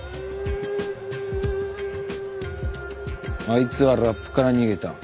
あいつはラップから逃げた。